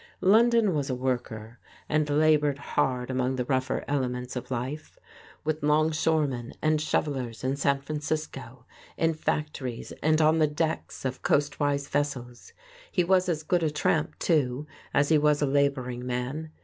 London was a worker, and labored hard among the rougher elements of life with longshoremen and shovellers in San Francisco; in factories and on the decks of coastwise vessels. He was as good a tramp, too, as he was a laboring man.